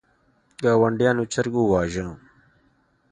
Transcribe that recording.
ګاونډیانو چرګ وواژه.